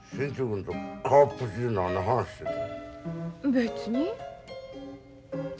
別に。